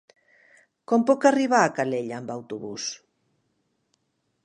Com puc arribar a Calella amb autobús?